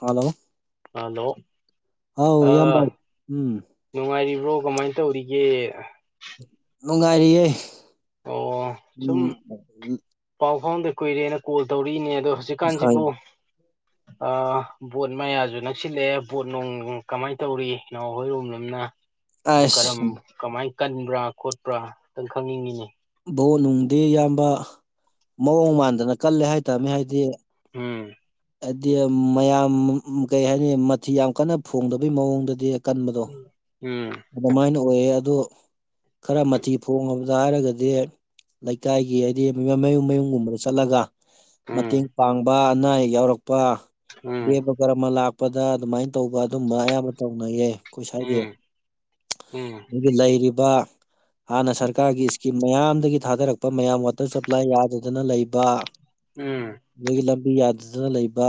hello hello ꯍꯥꯎ ꯑꫯꯌꯥꯝꯕ ꯎꯝ ꯅꯨꯡꯉꯥꯏꯔꯤꯕ꯭ꯔꯣ ꯀꯃꯥꯏꯅ ꯇꯧꯔꯤꯒꯦ ꯅꯨꯡꯉꯥꯏꯔꯤꯌꯦ ꯑꯣ ꯁꯨꯝ ꯎꯝ ꯄꯥꯎ ꯐꯥꯎꯅꯗ ꯀꯨꯏꯔꯦꯅ ꯀꯣꯜ ꯇꯧꯔꯛꯏꯅꯦ ꯑꯗꯣ ꯍꯣꯏ ꯍꯧꯖꯤꯛꯀꯥꯟꯁꯤꯕꯨꯨ ꯑ ꯕꯣꯠ ꯃꯌꯥꯁꯨ ꯅꯛꯁꯤꯜꯂꯛꯑꯦ ꯕꯣꯠ ꯅꯨꯡ ꯀꯃꯥꯏꯅ ꯇꯧꯔꯤ ꯏꯅꯥꯎ ꯍꯣꯏ ꯔꯣꯝꯗꯅ ꯑꯗꯨ ꯀꯔꯝ ꯑꯁ ꯀꯃꯥꯏ ꯀꯟꯕ꯭ꯔꯥ ꯈꯣꯠꯄ꯭ꯔꯥ ꯑꯇꯪ ꯈꯪꯅꯤꯡꯉꯤꯅꯦ ꯚꯣꯠ ꯅꯨꯡꯗꯤ ꯏꯌꯥꯝꯕ ꯃꯑꯣꯡ ꯃꯥꯟꯗꯅ ꯀꯜꯂꯦ ꯍꯥꯏꯇꯃꯤ ꯍꯥꯏꯗꯤ ꯎꯝ ꯍꯥꯏꯗꯤ ꯃꯌꯥꯝ ꯀꯩ ꯍꯥꯏꯅꯤ ꯃꯊꯤ ꯌꯥꯝ ꯀꯟꯅ ꯐꯣꯡꯗꯕꯤ ꯃꯑꯣꯡꯗꯗꯤ ꯀꯟꯕꯗꯣ ꯎꯝ ꯑꯗꯨꯃꯥꯏꯅ ꯑꯣꯏꯌꯦ ꯑꯗꯣ ꯈꯔ ꯃꯊꯤ ꯐꯣꯡꯉꯕꯗ ꯍꯥꯏꯔꯒꯗꯤ ꯍꯥꯏꯗꯤ ꯂꯩꯀꯥꯏꯒꯤ ꯍꯥꯏꯗꯤ ꯃꯌꯨꯝ ꯃꯌꯨꯝꯒꯨꯝꯕꯗ ꯆꯠꯂꯒ ꯎꯝ ꯃꯇꯦꯡ ꯄꯥꯡꯕ ꯑꯅꯥ ꯑꯌꯦꯛ ꯌꯥꯎꯔꯛꯄ ꯎꯝ ꯀꯔꯝꯃꯥ ꯂꯥꯛꯄꯗ ꯑꯗꯨꯃꯥꯏꯅ ꯇꯧꯕ ꯑꯗꯨꯝꯕ ꯑꯌꯥꯝꯕ ꯇꯧꯅꯩꯌꯦ ꯑꯩꯈꯣꯏ ꯁꯋꯥꯏꯗꯤ ꯎꯝ ꯎꯝ ꯂꯩꯔꯤꯕ ꯍꯥꯟꯅ ꯁꯔꯀꯥꯔꯒꯤ ꯃꯌꯥꯝꯗꯒꯤ ꯊꯥꯗꯔꯛꯄ ꯃꯌꯥꯝ ꯋꯥꯇꯔ ꯁꯄ꯭ꯂꯥꯏ ꯌꯥꯗꯗꯅ ꯂꯩꯕ ꯎꯝ ꯑꯗꯥꯒꯤ ꯂꯝꯕꯤ ꯌꯥꯗꯗꯅ ꯂꯩꯕ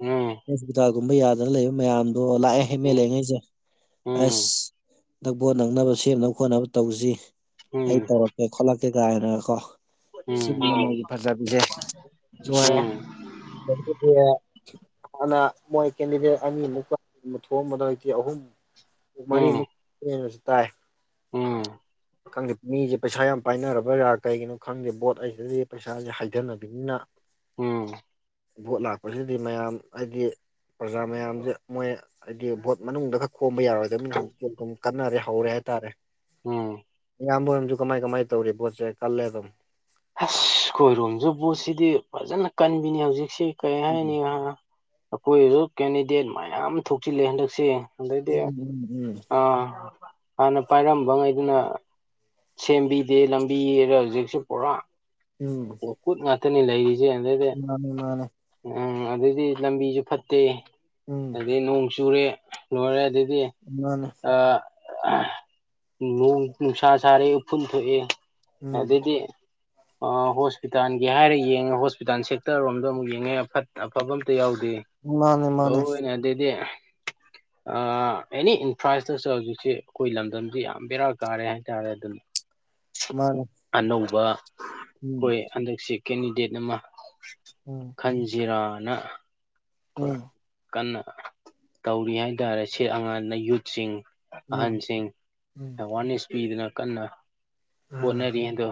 ꯑꯣ ꯍꯣꯁꯄꯤꯇꯥꯜꯒꯨꯝꯕ ꯌꯥꯗꯅ ꯂꯩꯕ ꯃꯌꯥꯝꯗꯣ ꯂꯥꯛꯑꯦ ꯑꯦꯝ ꯑꯦꯜ ꯎꯝ ꯑꯦꯉꯩꯁꯦ ꯎꯝ ꯑꯁ ꯑꯝꯇ ꯚꯣꯠ ꯅꯪꯅꯕ ꯁꯦꯝꯅꯕ ꯈꯣꯠꯅꯕ ꯇꯧꯁꯤ ꯑꯩ ꯎꯝ ꯇꯧꯔꯛꯀꯦ ꯈꯣꯠꯂꯛꯀꯦ ꯍꯥꯏꯅꯒ ꯀꯣ ꯆꯤꯟ ꯐꯖꯥꯕꯤꯁꯦ ꯂꫭꯏꯔꯦ ꯎꯝ [unintelligible] ꯍꯥꯟꯅ ꯃꯣꯏ ꯀꯦꯟꯗꯤꯗꯦꯠ ꯑꯅꯤꯃꯨꯛꯀ ꯊꯣꯛꯑꯝꯕꯗ ꯍꯧꯖꯤꯛꯇꯤ ꯑꯍꯨꯝ ꯃꯔꯤꯃꯨꯛ ꯅꯦꯁꯨ ꯇꯥꯏ ꯎꯨꯝ ꯈꯪꯗꯦ ꯃꯤꯁꯦ ꯄꯩꯁꯥ ꯌꯥꯝ ꯄꯥꯏꯅꯔꯕ꯭ꯔꯥ ꯀꯩꯒꯤꯅꯣ ꯈꯪꯗꯦ ꯕꯣꯠ ꯑꯩꯁꯤꯗꯗꯤ ꯄꯩꯁꯥꯁꯦ ꯍꯥꯏꯊꯅꯕꯅꯤꯅ ꯎꯝ ꯚꯣꯠ ꯂꯥꯛꯄꯁꯤꯗꯤ ꯃꯌꯥꯝ ꯍꯥꯏꯗꯤ ꯄ꯭ꯔꯖꯥ ꯃꯌꯥꯝꯁꯦ ꯃꯣꯏ ꯍꯥꯏꯗꯤ ꯚꯣꯠ ꯃꯅꯨꯡꯗ ꯈꯔ ꯈꯣꯝꯕ ꯌꯥꯔꯣꯏꯗꯅꯤ ꯍꯧꯖꯤꯛꯇꯤ ꯑꯗꯨꯝ ꯀꯟꯅꯔꯦ ꯍꯧꯔꯦ ꯍꯥꯏꯇꯥꯔꯦ ꯎꯝ ꯏꯌꯥꯝꯕꯝꯁꯨ ꯀꯃꯥꯏ ꯀꯃꯥꯏ ꯇꯧꯔꯤ ꯄꯣꯠꯁꯦ ꯈꯜꯂꯦ ꯑꯗꯨꯝ ꯑꯁ ꯈꯣꯏꯔꯣꯝꯁꯨ ꯣꯠꯁꯤꯗꯤ ꯐꯖꯅ ꯀꯟꯕꯤꯅꯤ ꯍꯧꯖꯤꯛꯁꯤ ꯀꯩ ꯍꯥꯏꯅꯤ ꯑꯩꯈꯣꯏꯁꯨ ꯀꯦꯟꯗꯤꯗꯦꯠ ꯃꯌꯥꯝ ꯊꯣꯛꯆꯤꯜꯂꯦ ꯍꯟꯗꯛꯁꯦ ꯑꯗꯩꯗꯤ ꯎ ꯎ ꯑꯥ ꯍꯥꯟꯅ ꯄꯥꯏꯔꯝꯕ ꯉꯩꯗꯨꯅ ꯁꯦꯝꯕꯤꯗꯦ ꯂꯝꯕꯤꯔ ꯍꯧꯖꯤꯛꯁꯨꯛ ꯎꯝ ꯀꯨꯠ ꯉꯥꯛꯇꯅꯤ ꯂꯩꯔꯤꯁꯦ ꯑꯗꯩꯗꯤ ꯃꯥꯅꯦ ꯃꯥꯅꯦ ꯎꯝ ꯑꯗꯨꯗꯩꯗꯤ ꯂꯝꯕꯤꯁꯨ ꯐꯠꯇꯦ ꯎꯝ ꯑꯗꯨꯗꯩ ꯅꯣꯡ ꯆꯨꯨꯔꯦ ꯂꯣꯏꯔꯦ ꯑꯗꯨꯗꯤ ꯃꯥꯅꯦ ꯅ ꯅꯨꯡꯁꯥ ꯁꯥꯥꯔꯦ ꯎꯐꯨꯟ ꯊꯣꯛꯑꯦ ꯎꯝ ꯑꯗꯨꯗꯗꯤ ꯑ ꯍꯣꯁꯄꯤꯇꯥꯜꯒꯤ ꯍꯥꯏꯔ ꯌꯦꯡꯉꯦ ꯍꯣꯁꯄꯤꯇꯥꯥꯟ ꯁꯦꯛꯇꯔꯣꯝꯗ ꯑꯃꯨꯛ ꯌꯦꯡꯉꯦꯐꯠ ꯑꯐꯕ ꯑꯝꯇ ꯌꯥꯎꯗꯦ ꯃꯥꯅꯦ ꯃꯥꯅꯦ ꯂꯅꯦ ꯑꯗꯨꯗꯩꯗꯤ ꯑꯦꯅꯤ ꯏꯟꯐ꯭ꯔꯥ ꯏꯁꯇ꯭ꯔꯛꯆꯔ ꯍꯧꯖꯤꯛꯁꯦ ꯑꯩꯈꯣꯏ ꯂꯝꯗꯝꯁꯤ ꯌꯥꯝ ꯕꯦꯔꯥ ꯀꯥꯔꯦ ꯍꯥꯏꯇꯥꯔꯦ ꯑꯗꯨꯝ [inaudible] ꯃꯥ ꯑꯅꯧꯕ ꯑꯩꯈꯣꯏ ꯍꯟꯗꯛꯁꯤꯦ ꯀꯦꯟꯗꯤꯗꯦꯠ ꯑꯃ ꯎꯝ ꯈꯟꯖꯤꯔꯥꯅ ꯣꯏ ꯎꯝ ꯀꯟꯅ ꯇꯧꯔꯤ ꯍꯥꯏꯇꯥꯔꯦ ꯁꯦ ꯑꯉꯥꯡꯅ ꯌꯨꯠꯁꯤꯡ ꯎꯝ ꯑꯍꯟꯁꯤꯡ ꯎꯝ ꯑꯦꯋꯥꯔꯅꯦꯁ ꯄꯤꯗꯨꯅ ꯀꯟꯅ ꯑꯥ ꯍꯣꯠꯅꯔꯤ ꯑꯗꯣ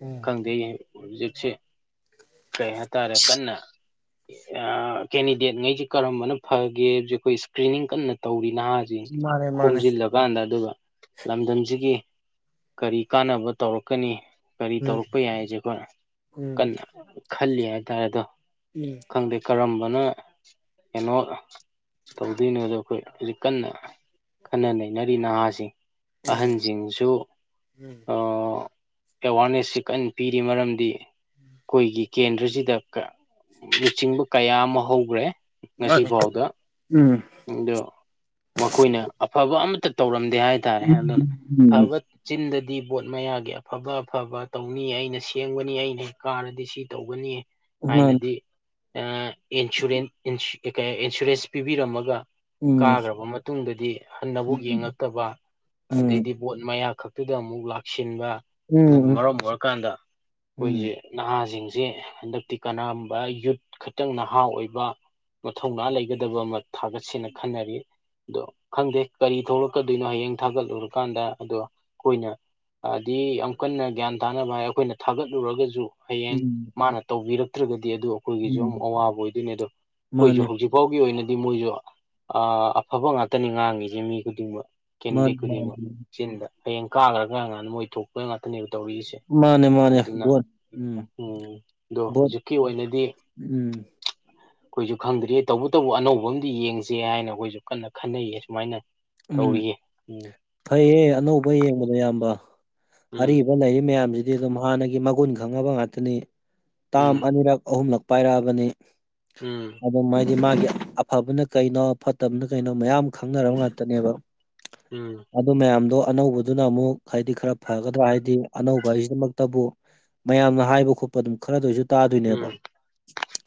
ꯎꯝ ꯈꯪꯗꯦ ꯍꯧꯖꯤꯛꯁꯦ ꯀꯩ ꯍꯥꯏꯇꯥꯔꯦ ꯀꯟꯅ ꯀꯦꯟꯗꯤꯗꯦꯠ ꯉꯩꯁꯤꯦ ꯀꯔꯝꯕꯅ ꯐꯒꯦꯕꯦ ꯑꯩꯈꯣꯏ ꯏꯁꯀ꯭ꯔꯤꯅꯤꯡ ꯀꯟꯅ ꯇꯧꯔꯤ ꯅꯍꯥ ꯃꯥꯅꯦ ꯈꯣꯨꯝꯖꯤꯂꯥ ꯀꯥꯟꯗ ꯑꯗꯨꯒ ꯂꯝꯗꯝꯁꯤꯒꯤ ꯀꯔꯤ ꯀꯥꯟꯅꯕ ꯇꯧꯔꯛꯀꯅꯤ ꯀꯔꯤ ꯎꯝ ꯇꯧꯔꯛꯄ ꯌꯥꯏ ꯍꯥꯏꯁꯦ ꯑꯩꯈꯣꯏꯅ ꯎꯝ ꯀꯟꯅ ꯈꯜꯂꯤ ꯍꯥꯏꯇꯥꯔꯦ ꯑꯗꯣ ꯎꯝ ꯈꯪꯗꯦ ꯀꯔꯝꯕꯅ ꯀꯩꯅꯣ ꯇꯧꯗꯣꯏꯅꯣꯗꯣ ꯑꯩꯈꯣꯏ ꯍꯧꯖꯤꯛ ꯀꯟꯅ ꯈꯟꯅ ꯅꯩꯅꯔꯤ ꯅꯍꯥꯁꯤꯡ ꯎꯝ ꯑꯍꯟꯁꯤꯡꯁꯨ ꯎꯝ ꯑꯦꯋꯥꯔꯅꯦꯁꯁꯤ ꯀꯟꯅ ꯄꯤꯔꯤ ꯃꯔꯝꯗꯤ ꯑꯩꯈꯣꯏꯒꯤ ꯀꯦꯟꯗ꯭ꯔꯁꯤꯗ ꯂꯨꯆꯤꯡꯕ ꯀꯌꯥ ꯑꯃ ꯍꯧꯈ꯭ꯔꯦ ꯉꯁꯤꯐꯥꯎꯗ ꯎꯝ ꯎꯝ ꯎꯝ ꯎꯝ ꯑꯗ ꯃꯈꯣꯏꯅ ꯑꯐꯕ ꯑꯃꯠꯇ ꯇꯧꯔꯝꯗꯦ ꯍꯥꯏꯇꯥꯔꯦ ꯑꯗꯨꯅ ꯎꯝ ꯑꯐꯕ ꯆꯤꯟꯗꯗꯤ ꯕꯣꯠ ꯃꯌꯥꯒꯤ ꯑꯐꯕ ꯑꯐꯕ ꯇꯧꯅꯤ ꯑꯩꯅ ꯁꯦꯝꯒꯅꯤ ꯑꯩꯅ ꯀꯥꯔꯗꯤ ꯁꯤ ꯇꯧꯒꯅꯤ ꯊꯥꯏꯅꯗꯤ ꯏꯟꯁꯨꯔꯦꯟ ꯏꯟꯁꯨꯔꯦꯟꯁ ꯄꯤꯕꯤꯔꯝꯃꯒ ꯀꯥꯈ꯭ꯔꯕ ꯃꯇꯨꯡꯗꯗꯤ ꯍꯟꯅꯕꯨꯛ ꯌꯦꯡꯉꯛꯇꯕ ꯑꯗꯩꯗꯤ ꯕꯣꯠ ꯃꯌꯥ ꯈꯛꯇꯨꯗ ꯑꯃꯨꯛ ꯂꯥꯛꯁꯤꯟꯕ ꯑꯗꯨꯅ ꯃꯔꯝ ꯑꯣꯏꯔꯀꯥꯟꯗ ꯎꯝ ꯑꯩꯈꯣꯏꯁꯦ ꯅꯍꯥꯁꯤꯡꯁꯦ ꯍꯟꯗꯛꯇꯤ ꯀꯅꯥꯕ ꯌꯨꯠ ꯈꯛꯇꯪꯅ ꯅꯍꯥ ꯑꯣꯏꯕ ꯃꯊꯧꯅꯥ ꯂꯩꯒꯗꯕ ꯑꯃ ꯊꯥꯒꯠꯁꯦꯅ ꯈꯟꯅꯔꯤ ꯑꯗꯣ ꯈꯪꯗꯦ ꯀꯔꯤ ꯊꯣꯛꯂꯛꯀꯗꯣꯏꯅꯣ ꯍꯌꯦꯡ ꯊꯥꯒꯠꯂꯨꯔꯀꯥꯟꯗ ꯑꯗꯣ ꯑꯩꯈꯣꯏꯅ ꯍꯥꯏꯗꯤ ꯌꯥꯝ ꯀꯟꯅ ꯒ꯭ꯌꯥꯟ ꯇꯥꯅꯕ ꯍꯥꯏ ꯑꯩꯈꯣꯏꯅ ꯊꯥꯒꯠꯂꯨꯔꯒꯁꯨ ꯎꯝ ꯍꯌꯦꯡ ꯃꯥꯅ ꯇꯧꯕꯤꯔꯛꯇ꯭ꯔꯒꯗꯤ ꯑꯗꯨ ꯎꯝ ꯑꯩꯈꯣꯏꯒꯤꯁꯨ ꯎꯝ ꯑꯃꯨꯛ ꯑꯋꯥꯕ ꯑꯣꯏꯗꯣꯏꯅꯦ ꯑꯗꯣ ꯑꯩꯈꯣꯏꯁꯨ ꯍꯧꯖꯤꯛ ꯃꯥꯅꯦ ꯍꯧꯖꯤꯛꯐꯥꯎꯒꯤ ꯑꯣꯏꯅꯗꯤ ꯃꯣꯏꯁꯨ ꯑꯐꯕ ꯉꯥꯛꯇꯅꯤ ꯉꯥꯡꯉꯁꯦ ꯃꯤ ꯈꯨꯗꯤꯡꯃꯛ ꯀꯦꯟꯗꯤꯗꯦꯠ ꯃꯥꯅꯦ ꯈꯨꯗꯤꯡꯃꯛ ꯃꯥꯅꯦ ꯆꯤꯟꯗ ꯍꯌꯦꯡ ꯀꯥꯈ꯭ꯔꯒ ꯀꯥꯟꯗ ꯃꯣꯏ ꯊꯣꯛꯄ ꯉꯥꯛꯇꯅꯦꯕ ꯇꯧꯔꯤꯁꯦ ꯃꯥꯅꯦ ꯃꯥꯅꯦ ꯑꯗꯨꯅ ꯚꯣꯠ ꯎꯝ ꯑꯗꯣ ꯚꯣꯠ ꯍꯧꯖꯤꯛꯀꯤ ꯑꯣꯏꯅꯗꯤ ꯎꯝ ꯑꯩꯈꯣꯏꯁꯨ ꯈꯪꯗ꯭ꯔꯤꯌꯦ ꯇꯧꯕꯇꯕꯨ ꯑꯅꯧꯕ ꯑꯝ ꯌꯦꯡꯁꯦ ꯍꯥꯏꯅ ꯑꯩꯈꯣꯏꯁꯨ ꯀꯟꯅ ꯈꯟꯅꯩꯌꯦ ꯁꯨꯃꯥꯏꯅ ꯎꯝ ꯇꯧꯔꯤꯌꯦ ꯎꯝ ꯐꯩꯌꯦ ꯑꯅꯧꯕ ꯌꯦꯡꯕꯗꯣ ꯏꯌꯥꯝꯕ ꯎꯝ ꯑꯔꯤꯕ ꯂꯩꯔꯤꯕꯔꯤ ꯃꯌꯥꯝꯁꯤꯗꯤ ꯑꯗꯨꯝ ꯍꯥꯟꯅꯒꯤ ꯃꯒꯨꯟ ꯈꯪꯕ ꯉꯥꯛꯇꯅꯤ ꯇꯥꯝ ꯑꯅꯤꯔꯛ ꯑꯍꯨꯝꯂꯛ ꯄꯥꯏꯔꯛꯑꯕꯅꯤ ꯎꯝ ꯑꯗꯨꯝ ꯍꯥꯏꯗꯤ ꯃꯥꯒꯤ ꯑꯐꯕꯅ ꯀꯩꯅꯣ ꯐꯠꯇꯕꯅ ꯀꯩꯅꯣ ꯃꯌꯥꯝ ꯈꯪꯅꯔꯕ ꯎꯝ ꯉꯥꯛꯇꯅꯦꯕ ꯎꯝ ꯎꯝ ꯑꯗꯨ ꯃꯌꯥꯝꯗꯣ ꯑꯅꯧꯕꯗꯨꯅ ꯑꯃꯨꯛ ꯍꯥꯏꯗꯤ ꯈꯔ ꯐꯒꯗ꯭ꯔꯥ ꯍꯥꯏꯗꯤ ꯑꯅꯧꯕ ꯍꯥꯏꯁꯤꯗꯃꯛꯇꯕꯨ ꯃꯌꯥꯝꯅ ꯍꯥꯏꯕ ꯈꯣꯠꯄ ꯑꯗꯨꯝ ꯈꯔꯗ ꯑꯣꯏꯔꯁꯨ ꯇꯥꯗꯣꯏꯅꯦꯕ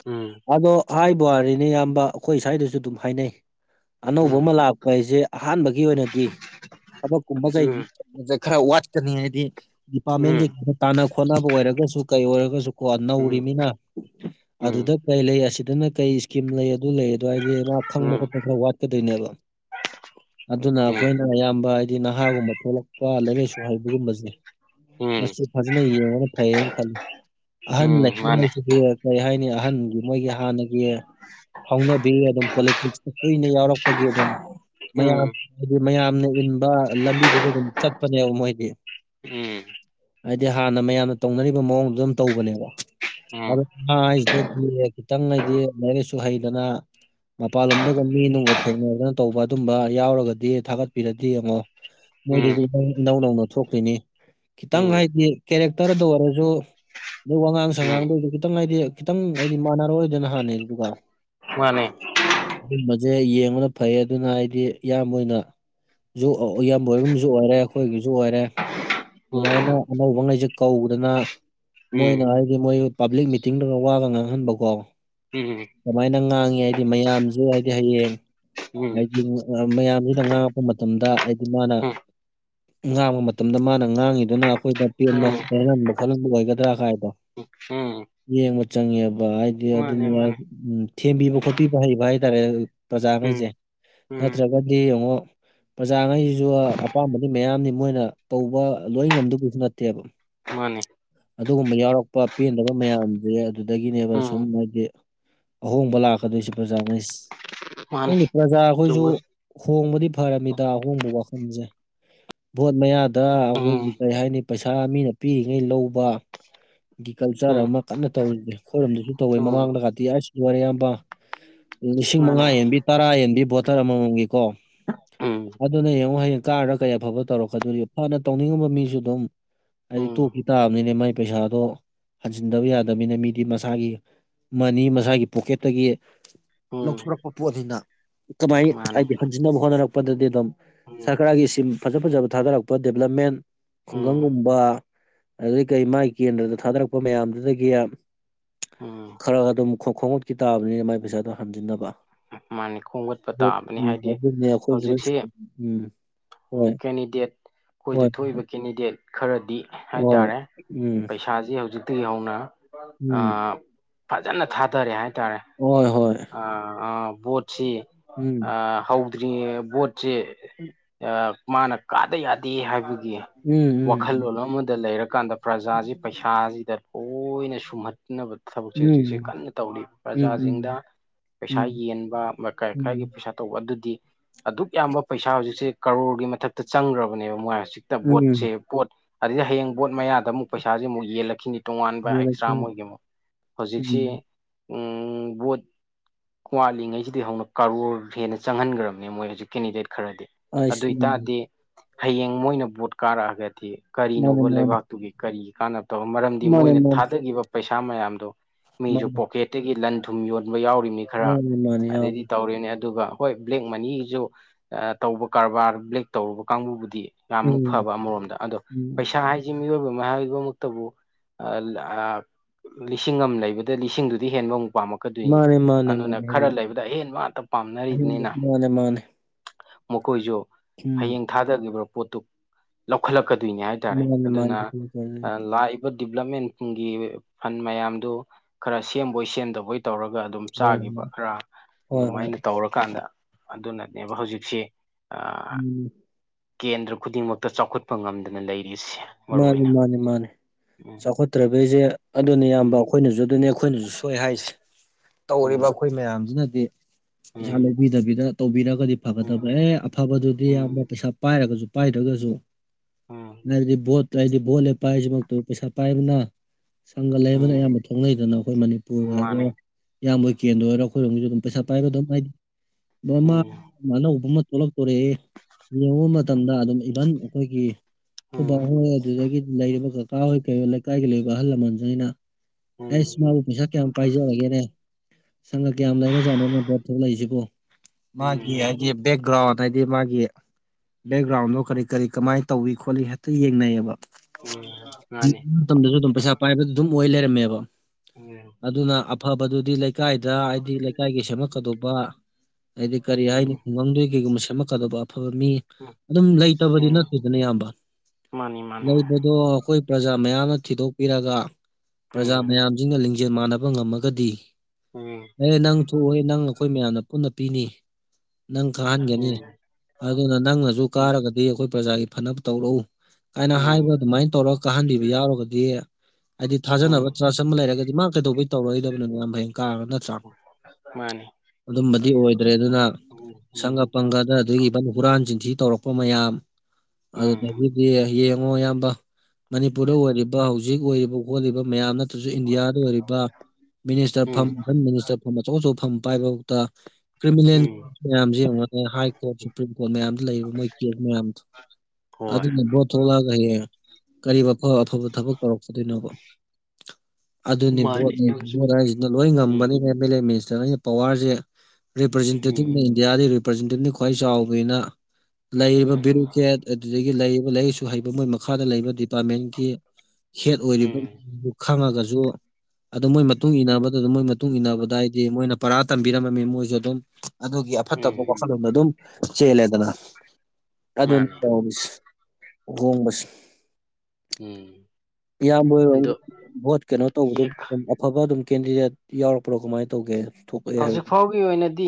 ꯎꯝ ꯎꯝ ꯑꯗꯣ ꯍꯥꯏꯕꯅꯤ ꯏꯌꯥꯝꯕ ꯑꯩꯈꯣꯏ ꯁ꯭ꯋꯥꯏꯗꯁꯨ ꯑꯗꯨꯝ ꯍꯥꯏꯅꯩ ꯑꯅꯧꯕ ꯎꯝ ꯑꯃ ꯂꯥꯛꯄ ꯍꯥꯏꯁꯦ ꯑꯍꯥꯟꯕꯒꯤ ꯑꯣꯏꯅꯗꯤ ꯊꯕꯛ ꯀꯨꯝꯕ ꯎꯝ ꯎꯝ ꯆꯩꯩꯒꯨꯝꯕ ꯈꯔ ꯋꯥꯠꯄ ꯍꯥꯏꯗꯤ ꯎꯝ ꯗꯤꯄꯥꯔꯠꯃꯦꯟꯒꯤ ꯎꯝ ꯇꯥꯟꯅ ꯈꯣꯠꯅꯕ ꯑꯣꯏꯔꯒꯁꯨ ꯀꯩ ꯑꯣꯏꯔꯒꯁꯨ ꯑꯣ ꯑꯅ ꯎꯔꯤꯃꯤꯅ ꯑꯗꯨꯗ ꯀꯩ ꯂꯩ ꯑꯁꯤꯗꯅ ꯀꯩ ꯏꯁꯀꯤꯝ ꯂꯩ ꯑꯗꯨ ꯂꯩ ꯑꯗꯨꯋꯥꯏꯗꯤ ꯈꯪꯕ ꯎꯝ ꯈꯣꯠꯄ ꯈꯔ ꯋꯥꯠꯀꯗꯣꯏꯅꯦꯕ ꯑꯗꯨꯅ ꯎꯝ ꯑꯩꯈꯣꯏꯅ ꯑꯌꯥꯝꯕ ꯍꯥꯏꯕꯗꯤ ꯅꯍꯥꯒꯨꯝꯕ ꯊꯣꯛꯂꯛꯄ ꯂꯥꯏꯔꯤꯛ ꯂꯥꯏꯁꯨ ꯍꯩꯕꯒꯨꯝꯕꯁꯦ ꯎꯝ ꯃꯁꯤ ꯐꯖꯅ ꯌꯦꯡꯉꯒ ꯐꯩꯌꯦꯅ ꯈꯜꯂꯤ ꯑꯍꯟ ꯂꯩ ꯎꯝ ꯃꯥꯅꯦ ꯍ ꯀꯩ ꯍꯥꯏꯅꯤ ꯑꯍꯟꯒꯤ ꯃꯣꯏꯒꯤ ꯍꯥꯟꯅꯒꯤ ꯍꯧꯥꯎꯅꯕꯤ ꯑꯗꯨꯝ ꯄꯣꯂꯤꯇꯤꯛꯁꯇ ꯀꯨꯏꯅ ꯌꯥꯎꯔꯛꯄꯒꯤ ꯑꯗꯨꯝ ꯃꯌꯥꯝ ꯎꯝ ꯍꯥꯏꯗꯤ ꯃꯌꯥꯝꯅ ꯏꯟꯕ ꯂꯝꯕꯤꯗꯨꯁꯨ ꯑꯗꯨꯝ ꯆꯠꯄꯅꯦꯕ ꯃꯣꯏ ꯎꯝ ꯍꯥꯏꯗꯤ ꯍꯥꯟꯅ ꯃꯌꯥꯝꯅ ꯇꯧꯅꯔꯤꯕ ꯃꯑꯣꯡꯗꯨ ꯑꯗꯨꯝ ꯇꯧꯕꯅꯦꯕ ꯑ ꯎꯝ ꯑ ꯑꯩꯁꯤꯗꯗꯤ ꯈꯤꯇꯪ ꯍꯥꯏꯗꯤ ꯂꯥꯏꯔꯤꯛꯁꯨ ꯍꯩꯗꯅ ꯃꯄꯥꯟꯂꯣꯝꯗꯒ ꯃꯤꯅꯨꯡꯒ ꯊꯦꯡꯅꯗꯅ ꯇꯧꯕ ꯑꯗꯨꯝꯕ ꯌꯥꯎꯔꯒꯗꯤ ꯊꯥꯒꯠꯄꯤꯔꯗꯤ ꯌꯦꯡꯉꯣ ꯃꯣꯏꯗꯁꯨ ꯏꯅꯧ ꯅꯧꯅ ꯊꯣꯛꯇꯣꯏꯅꯤ ꯈꯤꯇꯪ ꯎꯝ ꯍꯥꯏꯗꯤ ꯀꯦꯔꯦꯛꯇꯔꯗ ꯑꯣꯏꯔꯁꯨ ꯑꯗꯩ ꯋꯥꯉꯥꯡ ꯁꯉꯥꯡꯗꯗ ꯈꯤꯇꯪ ꯍꯥꯏꯗꯤ ꯈꯤꯇꯪ ꯍꯥꯏꯗꯤ ꯃꯥꯟꯅꯔꯣꯏꯗꯅ ꯍꯥꯟꯅꯩꯗꯨꯒ ꯃꯥꯅꯦ ꯑꯗꯨꯨꯝꯕꯁꯦ ꯌꯦꯡꯕꯅ ꯐꯩꯌꯦ ꯑꯗꯨꯅ ꯍꯥꯏꯗꯤ ꯏꯌꯥꯝꯕ ꯑꯣꯏꯅ ꯨ ꯏꯌꯥꯝꯕꯨꯝ ꯑꯃꯁꯁꯨ ꯑꯣꯏꯔꯦ ꯑꯩꯈꯣꯏꯒꯤꯁꯨ ꯑꯣꯏꯔꯦ ꯎꯝ ꯑꯗꯨꯃꯥꯏꯅ ꯎꯝ ꯑꯅꯧꯕꯉꯩꯁꯦ ꯀꯧꯕꯧꯗꯅ ꯎꯝ ꯃꯣꯏꯅ ꯍꯥꯏ ꯑ ꯃꯣꯏ ꯄꯥꯕ꯭ꯂꯤꯛ ꯃꯤꯇꯤꯡꯗꯒ ꯋꯥꯒ ꯉꯥꯡꯍꯟꯕꯀꯣ ꯎꯝ ꯀꯃꯥꯏꯅ ꯉꯥꯡꯉꯤ ꯍꯥꯏꯗꯤ ꯃꯌꯥꯝꯁꯨ ꯍꯥꯏꯗꯤ ꯍꯌꯦꯡ ꯍꯥꯏꯗꯤ ꯃꯌꯥꯝꯁꯤꯅ ꯉꯥꯡꯉꯛꯄ ꯃꯇꯝꯗ ꯍꯥꯏꯗꯤ ꯃꯥꯅ ꯎꯝ ꯉꯥꯡꯕ ꯃꯇꯝꯗ ꯃꯥꯅ ꯉꯥꯡꯉꯤꯗꯨꯅ ꯑꯩꯈꯣꯏꯗ ꯄꯦꯟꯕ ꯎꯝ ꯄꯦꯜꯍꯟꯕ ꯈꯣꯠꯍꯟꯕ ꯑꯣꯏꯒꯗ꯭ꯔꯥ ꯀꯥꯏꯗꯣ ꯑꯣ ꯌꯦꯡꯕ ꯆꯪꯉꯦꯕ ꯍꯥꯏꯗꯤ ꯑꯗꯨꯝ ꯃꯥꯅꯦ ꯃꯥꯅꯦ ꯎꯝ ꯊꯦꯝꯕꯤꯕ ꯈꯣꯠꯄꯤꯕ ꯍꯩꯕ ꯍꯥꯏꯇꯥꯔꯦ ꯎꯝ ꯄ꯭ꯔꯖꯥꯈꯩꯁꯦ ꯎꯝ ꯅꯠꯇ꯭ꯔꯒꯗꯤ ꯌꯦꯡꯉꯣ ꯄ꯭ꯔꯖꯥꯉꯩꯁꯤꯁꯨ ꯑꯄꯥꯝꯕꯗꯤ ꯃꯌꯥꯝꯅꯤ ꯃꯣꯏꯅ ꯇꯧꯕ ꯂꯣꯏ ꯉꯝꯗꯒꯤꯁꯨ ꯅꯠꯇꯦꯕ ꯃꯥꯅꯦ ꯑꯗꯨꯒꯨꯝꯕ ꯌꯥꯎꯔꯛꯄ ꯄꯦꯟꯗꯕ ꯃꯌꯥꯝꯁꯦ ꯑꯗꯨꯗꯒꯤꯅꯦꯕ ꯎꯝ ꯁꯨꯝ ꯍꯥꯏꯗꯤ ꯑꯍꯣꯡꯕ ꯂꯥꯛꯀꯗꯣꯏꯁꯦ ꯄ꯭ꯔꯖꯥꯅꯩ ꯃꯥꯅꯦ ꯈꯪꯗꯤ ꯄ꯭ꯔꯖꯥ ꯑꯩꯈꯣꯏꯁꯨ ꯆꯨꯝꯒ꯭ꯔꯦ ꯍꯣꯡꯕꯗꯤ ꯐꯔꯝꯃꯤꯗꯥ ꯑꯥꯍꯣꯡꯕ ꯋꯥꯈꯜꯁꯦ ꯚꯣꯠ ꯃꯌꯥꯗ ꯑꯩꯈꯣꯏꯒꯤ ꯎꯝ ꯀꯔꯤ ꯍꯥꯏꯅꯤ ꯄꯩꯁꯥ ꯃꯤꯅ ꯄꯤꯔꯤꯉꯩ ꯂꯧꯕ ꯒꯤ ꯀꯜꯆꯔ ꯎꯝ ꯑꯃ ꯀꯟꯅ ꯇꯧꯔꯁꯦ ꯑꯩꯈꯣꯏꯔꯣꯝꯗꯁꯨ ꯇꯧꯋꯦ ꯎꯝ ꯃꯃꯥꯡꯗ ꯀꯇꯤ ꯑ ꯁꯤ ꯋꯥꯔꯤꯔꯦ ꯑꯌꯥꯝꯕ ꯂꯤꯁꯤꯡ ꯃꯉꯥ ꯃꯥꯅꯦ ꯌꯦꯟꯕꯤ ꯇꯔꯥ ꯌꯦꯟꯕꯤ ꯕꯣꯇꯔ ꯑꯃꯃꯝꯒꯤ ꯀꯣ ꯎꯝ ꯑꯗꯨꯅ ꯌꯦꯡꯉꯣ ꯍꯌꯦꯡ ꯀꯥꯔꯒ ꯀꯩ ꯑꯐꯕ ꯇꯧꯔꯛꯀꯗꯣꯏꯅꯣ ꯐꯅ ꯇꯧꯅꯤꯡꯉꯝꯕ ꯃꯤꯖꯨ ꯑꯗꯨꯝ ꯍꯥꯏꯗꯤ ꯇꯣꯀꯤ ꯎꯝ ꯇꯥꯕꯅꯤꯅꯦ ꯃꯥꯏ ꯄꯩꯁꯥ ꯑꯗꯣ ꯍꯟꯖꯤꯟꯗꯕ ꯌꯥꯗꯕꯅꯤꯅ ꯃꯤꯗꯤ ꯃꯁꯥꯒꯤ ꯃꯅꯤ ꯃꯁꯥꯒꯤ ꯄꯣꯛꯀꯦꯠꯇꯒꯤ ꯎꯝ ꯂꯧꯊꯣꯔꯛꯄ ꯄꯣꯠꯅꯤꯅ ꯀꯃꯥꯏꯅ ꯃꯥꯅꯦ ꯍꯥꯏꯗꯤ ꯍꯟꯖꯤꯟꯅꯕ ꯍꯣꯠꯅꯔꯛꯄꯗꯗꯤ ꯑꯗꯨꯝ ꯎꯝ ꯁꯔꯀꯥꯔꯒꯤ ꯁꯤꯝ ꯐꯖ ꯐꯖꯕ ꯊꯥꯗꯔꯛꯄ ꯗꯦꯕꯂꯞꯃꯦꯟ ꯎꯝ ꯈꯨꯡꯒꯪꯒꯨꯝꯕ ꯑꯗꯨꯗꯒꯤ ꯀꯩ ꯃꯥꯒꯤ ꯀꯦꯟꯗ꯭ꯔꯗ ꯊꯥꯗꯔꯛꯄ ꯃꯌꯥꯝꯗꯨꯗꯒꯤ ꯎꯝ ꯈꯔꯥꯒ ꯑꯗꯨꯝ ꯈꯣꯡꯒꯠꯈꯤ ꯇꯥꯕꯅꯤꯅ ꯃꯥꯏ ꯄꯩꯁꯥꯗꯣ ꯍꯟꯖꯤꯟꯅꯕ ꯃꯥꯅꯤ ꯈꯣꯝꯒꯠꯄ ꯇꯥꯕꯅꯤ ꯍꯥꯏꯗꯤ ꯑꯗꯨꯅꯦ ꯑꯈꯣꯖꯨ ꯂꯣꯏ [unintelligible] ꯑꯣ ꯀꯦꯟꯅꯤꯗꯦꯠ ꯑꯩꯈꯣꯏꯗ ꯍꯣꯏ ꯊꯣꯛꯏꯕ ꯀꯦꯟꯗꯤꯗꯦꯠ ꯈꯔꯗꯤ ꯍꯣꯏ ꯍꯥꯏꯇꯥꯔꯦ ꯎꯝ ꯄꯩꯁꯥꯖꯤ ꯍꯧꯖꯤꯛ ꯇꯤ ꯍꯧꯅ ꯎꯝ ꯑꯥ ꯐꯖꯅ ꯊꯥꯗꯔꯦ ꯍꯥꯏꯇꯥꯔꯦ ꯍꯣꯏ ꯍꯣꯏ ꯑꯥ ꯑꯥ ꯚꯣꯠꯁꯤ ꯎꯝ ꯍꯧꯗ꯭ꯔꯤꯉꯩ ꯕꯣꯠ ꯁꯦ ꯃꯥꯅ ꯀꯥꯗ ꯌꯥꯗꯦ ꯍꯥꯏꯕꯒꯤ ꯎꯝ ꯎꯝ ꯋꯥꯈꯜꯂꯣꯟ ꯑꯃꯗ ꯂꯩꯔꯀꯥꯟꯗ ꯄ꯭ꯔꯖꯥꯁꯤ ꯄꯩꯁꯥꯖꯤꯗ ꯂꯣꯏꯅ ꯁꯨꯝꯍꯠꯟꯅꯕ ꯊꯕꯛꯁꯦ ꯍꯧꯖꯤꯛꯁꯦ ꯎꯝ ꯀꯟꯅ ꯇꯧꯔꯤ ꯎꯝ ꯎꯝ ꯄ꯭ꯔꯖꯥꯖꯤꯡꯗ ꯄꯩꯁꯥ ꯎꯝ ꯌꯦꯟꯕ ꯂꯩꯀꯥꯏ ꯂꯩꯀꯥꯏꯒꯤ ꯄꯩꯁꯥ ꯇꯧꯕ ꯑꯗꯨꯗꯤ ꯑꯗꯨꯛ ꯌꯥꯝꯕ ꯄꯩꯁꯥ ꯍꯧꯖꯤꯛꯁꯦ ꯀꯔꯣꯔꯒꯤ ꯃꯊꯛꯇ ꯆꯪꯒ꯭ꯔꯕꯅꯦꯕ ꯃꯣꯏ ꯍꯧꯖꯤꯛ ꯎꯝ ꯕꯣꯠꯁꯦ ꯄꯣꯠ ꯑꯗꯩ ꯍꯌꯦꯡ ꯕꯣꯠ ꯃꯌꯥꯗ ꯑꯃꯨꯛ ꯄꯩꯁꯥꯖꯦ ꯑꯃꯨꯛ ꯌꯦꯜꯂꯛꯈꯤꯅꯤ ꯇꯣꯉꯥꯟꯕ ꯎꯝ ꯑꯦꯛꯁꯇ꯭ꯔꯥ ꯎꯝ ꯃꯣꯏꯒꯤ ꯍꯧꯖꯤꯛꯁꯤ ꯎꯝ ꯎꯡ ꯕꯣꯠ ꯋꯥꯠꯂꯤꯉꯩꯖꯤꯗꯩ ꯍꯧꯅ ꯀꯥꯔꯣꯔ ꯍꯦꯟꯅ ꯆꯪꯍꯟꯒ꯭ꯔꯕꯅꯦ ꯃꯣꯏ ꯍꯧꯖꯤꯛ ꯀꯦꯟꯗꯤꯗꯦꯠ ꯈꯔꯗꯤ ꯑꯗꯨ ꯑꯁ ꯎꯝ ꯑꯣꯏꯇꯥꯔꯗꯤ ꯍꯌꯦꯡ ꯃꯣꯏꯅ ꯚꯣꯠ ꯀꯥꯔꯛꯑꯒꯗꯤ ꯃꯥꯅꯦ ꯀꯔꯤꯅꯣꯕ ꯃꯥꯅꯦ ꯂꯩꯕꯥꯛꯇꯨꯒꯤ ꯀꯔꯤꯒꯤ ꯀꯥꯟꯅꯕ ꯇꯧ ꯃꯔꯝꯗꯤ ꯃꯥꯅꯦ ꯃꯣꯏꯅ ꯃꯥꯅꯦ ꯊꯥꯗꯈꯤꯕ ꯄꯩꯁꯥ ꯃꯌꯥꯝꯗꯣ ꯃꯤꯁꯨ ꯃꯥꯅꯦ ꯄꯣꯀꯦꯠ ꯇꯥꯒꯤ ꯂꯟ ꯊꯨꯝ ꯌꯣꯟꯕ ꯌꯥꯎꯔꯤꯅꯤ ꯈꯔ ꯃꯥꯅꯦ ꯃꯥꯅꯦ ꯌꯥꯎꯋꯦ ꯑꯗꯩꯗꯤ ꯇꯧꯔꯦꯅꯦ ꯑꯗꯨꯒ ꯍꯣꯏ ꯕ꯭ꯂꯦꯛ ꯃꯅꯤꯒꯤꯖꯨ ꯇꯧꯕ ꯀꯔꯕꯥꯔ ꯕ꯭ꯂꯦꯛ ꯇꯧꯔꯨꯕ ꯀꯥꯡꯕꯨꯗꯤ ꯌꯥꯝꯃꯨꯛ ꯎꯝ ꯐꯕ ꯑꯃꯔꯣꯝꯗ ꯑꯗꯣ ꯎꯝ ꯄꯩꯁꯥ ꯍꯥꯏ ꯖꯤ ꯃꯤꯌꯣꯕ ꯃꯥ ꯍꯥꯏꯕ ꯃꯛꯇꯕꯨ ꯑꯥ ꯂꯤꯁꯤꯡ ꯑꯃ ꯂꯩꯕꯗ ꯂꯤꯁꯤꯡꯗꯨꯗꯤ ꯍꯦꯟꯕ ꯑꯃꯨꯛ ꯄꯥꯝꯃꯛ ꯀꯥꯗꯣꯏꯅꯤ ꯃꯥꯅꯦ ꯃꯥꯅꯦ ꯑꯗꯨꯅ ꯃꯥꯅꯦ ꯈꯔ ꯂꯩꯕꯗ ꯑꯍꯦꯟꯕ ꯉꯠꯇ ꯑꯍꯦꯟꯕ ꯑꯍꯦꯟꯕ ꯄꯥꯝꯅꯔꯤꯕꯅꯤꯅ ꯃꯥꯅꯦ ꯃꯥꯅꯦ ꯃꯈꯣꯏꯖꯨ ꯎꯝ ꯍꯌꯦꯡ ꯊꯥꯗꯔꯒꯤꯕ ꯄꯣꯠꯇꯨ ꯂꯧꯈꯠꯂꯛꯀꯗꯣꯏꯅꯦ ꯍꯥꯏꯇꯥꯔꯦ ꯃꯥꯅꯦ ꯃꯥꯅꯦ ꯑꯗꯨꯅ ꯍꯣꯏ ꯂꯥꯏ ꯗꯤꯕꯂꯞꯃꯦꯟꯒꯤ ꯐꯟ ꯃꯌꯥꯝꯗꯨ ꯈꯔ ꯁꯦꯝꯕꯣꯏ ꯁꯦꯝꯗꯕꯣꯏ ꯇꯧꯔꯒ ꯑꯗꯨꯝ ꯆꯥꯒꯤꯕ ꯍꯣꯏ ꯈꯔ ꯍꯣꯏ ꯑꯗꯨꯃꯥꯏꯅ ꯇꯧꯔꯀꯥꯟꯗ ꯑꯗꯨꯅꯅꯦꯕ ꯍꯧꯖꯤꯛꯁꯤ ꯎꯝ ꯀꯦꯟꯗ꯭ꯔꯥ ꯈꯨꯗꯤꯡꯃꯛꯇ ꯆꯥꯎꯈꯠꯄ ꯉꯝꯗꯅ ꯂꯩꯔꯤꯁꯦ ꯃꯔꯨ ꯃꯥꯅꯤ ꯑꯣꯏꯅ ꯃꯥꯅꯤ ꯃꯥꯅꯤ ꯎꯝ ꯆꯥꯎꯈꯠꯇ꯭ꯔꯕꯩꯁꯦ ꯑꯗꯨꯅꯤ ꯏꯌꯥꯝꯕ ꯑꯩꯈꯣꯏꯅꯖꯨ ꯑꯗꯨꯅꯦ ꯑꯩꯈꯣꯏꯅꯖꯨ ꯁꯣꯏ ꯍꯥꯏꯔꯤꯁꯦ ꯎꯝ ꯇꯧꯔꯤꯕ ꯑꯩꯈꯣꯏ ꯃꯌꯥꯝꯖꯤꯅꯗꯤ ꯄꯩꯁꯥ ꯎꯝ ꯂꯩꯕꯤꯗꯕꯤꯗ ꯇꯧꯕꯤꯔꯒꯗꯤ ꯐꯒꯗꯕ ꯎꯝ ꯑꯦ ꯑꯐꯕꯗꯨꯗꯤ ꯎꯝ ꯑꯌꯥꯝꯕ ꯄꯩꯁꯥ ꯄꯥꯏꯔꯒꯁꯨ ꯄꯥꯏꯗ꯭ꯔꯒꯁꯨ ꯎꯝ ꯍꯥꯢꯗꯤ ꯕꯣꯠ ꯂꯥꯏꯗꯤ ꯕꯣꯠ ꯂꯦꯞꯄ ꯍꯥꯏꯖꯤꯃꯛꯇꯕꯨ ꯄꯩꯁꯥ ꯄꯥꯏꯗꯅ ꯁꯪꯒ ꯂꯩꯕꯅ ꯎꯝ ꯑꯌꯥꯝꯕ ꯊꯣꯛꯅꯩꯗꯅ ꯑꯩꯈꯣꯏ ꯎꯝ ꯃꯅꯤꯄꯨꯔ ꯃꯥꯅꯦ ꯑꯣꯏꯔꯣ ꯏꯌꯥꯝꯕꯩ ꯀꯦꯟꯗ꯭ꯔ ꯑꯣꯏꯔꯣ ꯑꯩꯈꯣꯏꯔꯣꯝꯒꯤꯁꯨ ꯑꯗꯨꯝ ꯄꯩꯁꯥ ꯄꯥꯏꯕ ꯗꯨꯝ ꯃꯃꯥ ꯎꯝ ꯑꯅꯧꯕ ꯑꯃ ꯊꯣꯛꯂꯛꯇꯣꯔꯦꯑꯦ ꯌꯦꯡꯕ ꯃꯇꯝꯗ ꯑꯗꯨꯝ ꯏꯚꯟ ꯑꯩꯈꯣꯏꯒꯤ [inaudible] ꯈꯣꯏꯕꯥꯍꯣꯏ ꯑꯗꯨꯗꯒꯤ ꯂꯩꯔꯤꯕ ꯀꯀꯥ ꯍꯣꯏ ꯀꯩ ꯂꯩꯀꯥꯏꯒꯤ ꯂꯩꯔꯤꯕ ꯑꯍꯜ ꯂꯃꯟꯖꯤ ꯑꯩꯅ ꯎꯝ ꯍꯥꯏꯁ ꯃꯥꯕꯨ ꯄꯩꯁꯥ ꯀꯌꯥꯝ ꯄꯥꯏꯖꯔꯒꯦꯅꯦ ꯁꯪꯒ ꯀꯌꯥꯝ ꯂꯩꯔꯖꯥꯅꯣꯅꯦ ꯚꯣꯠ ꯊꯣꯛꯂꯛꯏꯖꯤꯕꯣ ꯃꯥꯒꯤ ꯎꯝ ꯍꯥꯏꯗꯤ ꯕꯦꯛꯒ꯭ꯔꯥꯎꯟ ꯍꯥꯏꯗꯤ ꯃꯥꯒꯤ ꯕꯦꯛꯒ꯭ꯔꯥꯎꯟꯗꯣ ꯀꯔꯤ ꯀꯔꯤ ꯀꯃꯥꯏꯅ ꯇꯧꯏ ꯈꯣꯠꯂꯤ ꯍꯦꯛꯇ ꯌꯦꯡꯅꯩꯑꯕ ꯎꯝ ꯃꯥꯅꯦꯦ ꯄꯥꯏꯕꯗꯨ ꯑꯗꯨꯝ ꯑꯣꯏ ꯂꯩꯔꯝꯃꯦꯕ ꯎꯝ ꯑꯗꯨꯅ ꯑꯐꯕꯗꯨꯗꯤ ꯂꯩꯀꯥꯏꯗ ꯍꯥꯏꯗꯤ ꯂꯩꯀꯥꯏꯒꯤ ꯁꯦꯝꯃꯛꯀꯗꯧꯕ ꯑꯩꯗꯤ ꯀꯔꯤ ꯍꯥꯏꯅ ꯎꯝ ꯈꯪꯒꯪꯗꯣꯏ ꯀꯩꯒꯨꯝꯕꯕꯁꯤꯦ ꯀꯗꯧꯕ ꯑꯐꯕ ꯃꯤ ꯎꯝ ꯑꯗꯨꯝ ꯂꯩꯇꯕꯗꯤ ꯅꯠꯇꯦꯗꯅ ꯏꯌꯥꯝꯕ ꯃꯥꯅꯤ ꯃꯥꯅꯤ ꯂꯩꯕꯗꯣ ꯑꯩꯈꯣꯏ ꯄ꯭ꯔꯖꯥ ꯃꯌꯥꯝꯅ ꯊꯤꯗꯣꯛꯄꯤꯔꯒ ꯄ꯭ꯔꯖꯥ ꯎꯝ ꯃꯌꯥꯝ ꯁꯤꯡꯅ ꯂꯤꯡꯖꯦꯜ ꯃꯥꯟꯅꯕ ꯉꯝꯃꯒꯗꯤ ꯎꯝ ꯑꯦ ꯅꯪ ꯊꯣꯛꯑꯣꯍꯦ ꯅꯪ ꯑꯩꯈꯣꯏ ꯃꯌꯥꯝꯅ ꯄꯨꯟꯅ ꯄꯤꯅꯤ ꯅꯪ ꯀꯥꯍꯟꯒꯅꯤ ꯎꯝ ꯑꯗꯨꯅ ꯅꯪꯅꯁꯨ ꯀꯥꯔꯒꯗꯤ ꯑꯩꯈꯣꯏ ꯄ꯭ꯔꯖꯥꯒꯤ ꯐꯅ ꯇꯧꯔꯛꯎ ꯀꯥꯏꯅ ꯎꯝ ꯍꯥꯏꯕ ꯎꯝ ꯑꯗꯨꯃꯥꯏꯅ ꯇꯧꯔꯒ ꯀꯥꯍꯟꯕꯤꯕ ꯌꯥꯎꯔꯒꯗꯤ ꯍꯥꯏꯗꯤ ꯊꯥꯖꯅꯕ ꯎꯝ ꯆꯔꯁ ꯑꯃ ꯂꯩꯔꯒꯗꯤ ꯃꯥ ꯀꯩꯗꯧꯕꯩ ꯇꯧꯔꯣꯏꯗꯕꯅꯣꯅ ꯌꯥꯝ ꯍꯌꯦ ꯀꯥꯔꯒ ꯅꯠꯇ꯭ꯔ ꯃꯥ ꯑꯗꯨꯝꯕꯗꯤ ꯑꯣꯏꯗ꯭ꯔꯦ ꯑꯗꯨꯅ ꯎꯝ ꯁꯪꯒ ꯎꯝ ꯄꯪꯒꯗ ꯑꯗꯨꯒꯤ ꯏꯚꯟ ꯍꯨꯔꯥꯟꯁꯤꯡ ꯊꯤ ꯇꯧꯔꯛꯄ ꯃꯌꯥꯝ ꯎꯝ ꯑꯗꯨꯗꯒꯤꯗꯤ ꯌꯦꯡꯉꯣ ꯑꯌꯥꯝꯕ ꯃꯅꯤꯄꯨꯔꯗ ꯑꯣꯏꯔꯤꯕ ꯍꯧꯖꯤꯛ ꯑꯣꯏꯔꯤꯕ ꯈꯣꯠꯂꯤꯕ ꯃꯌꯥꯝꯅ ꯑꯗꯨꯁꯨ ꯏꯟꯗꯤꯌꯥꯗ ꯑꯣꯏꯔꯤꯕ ꯃꯤꯅꯤꯁꯇꯔ ꯐꯝ ꯎꯝ ꯏꯐꯦꯟ ꯃꯤꯅꯤꯁꯇꯔ ꯐꯝ ꯑꯆꯧ ꯑꯆꯧꯧꯕ ꯐꯝ ꯄꯥꯏꯕ ꯐꯥꯎꯗ ꯀ꯭ꯔꯤꯃꯤꯅꯦꯜ ꯎꯝ ꯀꯦꯁ ꯃꯌꯥꯝꯁ ꯌꯦꯡꯉ ꯍꯥꯏ ꯀꯣꯔꯠ ꯁꯨꯄ꯭ꯔꯤꯝ ꯀꯣꯔꯠ ꯃꯌꯥꯝꯗ ꯂꯩꯌꯦꯕ ꯃꯣꯏ ꯀꯦꯁ ꯃꯌꯥꯝꯗꯣ ꯍꯣꯏ ꯑꯗꯨꯅ ꯕꯣꯠ ꯊꯣꯛꯂꯛꯑꯒ ꯍꯌꯦꯡ ꯀꯔꯤ ꯑꯐ ꯑꯐꯕ ꯊꯕꯛ ꯀꯧꯔꯛꯀꯗꯣꯏꯅꯣ ꯑꯗꯨꯅꯦ ꯕꯣꯠ ꯃꯥꯅꯤ ꯌꯥꯝ ꯍꯥꯏꯁꯤꯅ ꯂꯣꯏ ꯎꯝ ꯉꯝꯕꯅꯤꯅꯦ ꯑꯦꯝ ꯑꯦꯜ ꯑꯦ ꯃꯤꯅꯤꯁꯇꯔ ꯑꯩꯅ ꯄꯋꯥꯔꯁꯦ ꯎꯝ ꯔꯤꯄ꯭ꯔꯖꯦꯟꯇꯦꯇꯤꯚ ꯏꯟꯗꯤꯌꯥꯒꯤ ꯔꯤꯄ꯭ꯔꯖꯦꯟꯇꯦꯇꯤꯞ ꯈ꯭ꯋꯥꯏ ꯆꯥꯎꯕꯅꯤꯅ ꯂꯩꯔꯤꯕ ꯎꯝ ꯕꯀꯦꯠ ꯑꯗꯨꯗꯒꯤ ꯂꯩꯔꯤꯕ ꯂꯥꯏꯔꯤꯛꯁꯨ ꯍꯩꯕ ꯃꯣꯏ ꯃꯈꯥꯗ ꯂꯩꯕ ꯗꯤꯄꯥꯔꯠꯃꯦꯟꯒꯤ ꯍꯦꯠ ꯑꯣꯏꯔꯤꯕ ꯈꯪꯉꯒꯁꯨ ꯑꯗꯨ ꯃꯣꯏ ꯃꯇꯨꯡ ꯏꯟꯅꯕꯗ ꯑꯗꯨ ꯃꯣꯏ ꯃꯇꯨꯡ ꯏꯟꯅꯕꯗ ꯍꯥꯏꯗꯤ ꯃꯣꯏꯅ ꯄꯔꯥ ꯇꯝꯕꯤꯔꯝꯃꯤ ꯃꯣꯏꯁꯨ ꯑꯗꯨꯝ ꯑꯗꯨꯒꯤ ꯐꯠꯇꯕ ꯎꯝ ꯋꯥꯈꯜꯂꯣꯟꯗ ꯑꯗꯨꯝ ꯆꯦꯜꯂꯦꯗꯅ ꯑꯗꯨ ꯃꯥꯅꯦ ꯁ ꯍꯍꯣꯡꯣꯡꯕꯁ ꯎꯝ ꯑꯗꯨ ꯌꯥꯝꯕꯨꯣꯠ ꯀꯩꯅꯩꯅꯣ ꯇ ꯑꯐꯕ ꯑꯗꯨꯝ ꯀꯦꯟꯗꯤꯗꯦꯠ ꯌꯥꯎꯔꯛꯄ꯭ꯔꯣ ꯀꯃꯥꯏꯅ ꯇꯧꯒꯦ ꯊꯣꯛꯂꯛꯑꯦ ꯍꯧꯖꯤꯛ ꯍꯥꯏꯕꯗꯤ ꯐꯥꯎꯒꯤ ꯑꯣꯏꯅꯗꯤ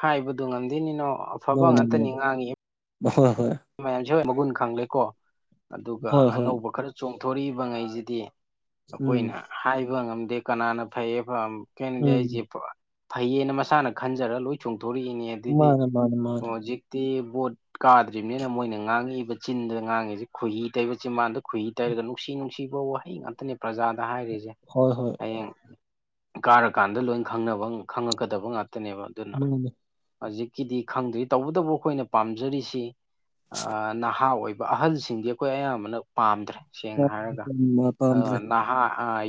ꯍꯥꯏꯕꯗꯨ ꯉꯝꯗꯦꯅꯤꯅꯣ ꯑꯐꯕ ꯃꯥꯅꯦ ꯉꯥꯛꯇꯅꯤ ꯃꯥꯅꯦ ꯉꯥꯡꯉꯤ ꯍꯣꯏ ꯍꯣꯏ [unintelligible] [inaudible] ꯃꯌꯥꯝꯁꯦꯣꯏ ꯃꯒꯨꯟ ꯈꯪꯂꯦꯀꯣ ꯑꯗꯨꯒ ꯍꯣꯏ ꯍꯣꯏ ꯑꯅꯧꯕ ꯈꯔ ꯆꯣꯡꯊꯣꯔꯛꯏꯕ ꯉꯩꯁꯤꯗꯤ ꯎꯝ ꯑꯩꯈꯣꯏꯅ ꯍꯥꯏꯕ ꯉꯝꯗꯦ ꯀꯅꯥꯅ ꯐꯩꯌꯦ ꯀꯦꯅꯗꯗꯤ ꯑꯩꯁꯦ ꯎꯝ ꯐꯩꯌꯦꯅ ꯃꯁꯥꯅ ꯈꯟꯖꯔꯒ ꯂꯣꯏ ꯆꯣꯡꯊꯣꯔꯛꯏꯅꯦ ꯃꯥꯅꯦ ꯃꯥꯅꯦ ꯃꯥꯅꯦ ꯣ ꯀꯥꯗ ꯍꯧꯖꯤꯔꯤꯕꯅꯤꯅ ꯃꯣꯏꯅ ꯉꯥꯡꯉꯛꯏꯕ ꯆꯤꯟꯗ ꯉꯥꯡꯉꯤꯁꯤ ꯈꯨꯍꯤ ꯇꯩꯕ ꯆꯤꯟ ꯃꯥꯟꯗ ꯈꯨꯍꯤ ꯇꯩꯔꯒ ꯅꯨꯡꯁꯤ ꯅꯨꯡꯁꯤꯕ ꯋꯥꯍꯩ ꯉꯥꯛꯇ ꯠꯇꯅꯤ ꯄ꯭ꯔꯖꯥꯗ ꯍꯥꯏꯔꯤꯁꯦ ꯍꯣꯏ ꯍꯣꯏ ꯍꯌꯦꯦꯡ ꯀꯥꯔꯀꯥꯟꯗ ꯂꯣꯏ ꯈꯪꯅꯕ ꯈꯪꯉꯛꯀꯗꯕ ꯉꯥꯛꯇꯅꯦꯕ ꯑꯗꯨꯅ ꯃꯥꯅꯦ ꯍꯧꯖꯤꯛꯀꯤꯗꯤ ꯈꯪꯗ꯭ꯔꯤ ꯇꯧꯕꯇꯕꯨ ꯑꯩꯈꯣꯏꯅ ꯄꯥꯝꯖꯔꯤꯁꯤ ꯅꯍꯥ ꯑꯣꯏꯕ ꯑꯍꯜꯁꯤꯡꯗꯤ ꯑꯩꯈꯣꯏ ꯑꯌꯥꯝꯕꯅ ꯄꯥꯝꯗ꯭ꯔꯦ ꯁꯦꯡꯅ ꯍꯥꯏꯔꯒ ꯑꯣ ꯄꯥꯝꯗ꯭ꯔꯦ ꯅꯍꯥ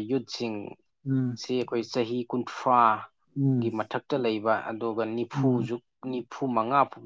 ꯌꯨꯠꯁꯤꯡ ꯎꯝ ꯁꯤ ꯑꯩꯈꯣꯏ ꯆꯍꯤ ꯀꯨꯟꯊ꯭ꯔꯥ ꯎꯝ ꯒꯤ ꯃꯊꯛꯇ ꯂꯩꯕ ꯑꯗꯨꯒ ꯎꯝ ꯅꯤꯐꯨꯖꯨ ꯅꯤꯐꯨ ꯃꯉꯥ ꯐꯥꯎꯒꯤ